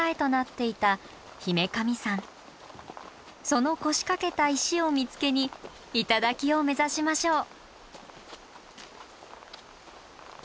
その腰掛けた石を見つけに頂を目指しましょう。